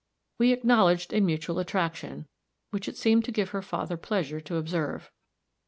We acknowledged a mutual attraction, which it seemed to give her father pleasure to observe.